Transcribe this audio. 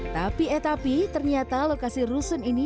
tapi eh tapi ternyata lokasi rusun ini